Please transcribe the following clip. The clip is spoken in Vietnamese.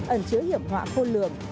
ẩn chứa hiểm họa khôn lường